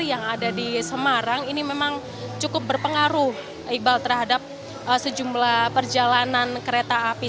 yang ada di semarang ini memang cukup berpengaruh iqbal terhadap sejumlah perjalanan kereta api